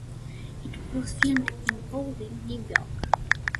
It was filmed in Pawling, New York.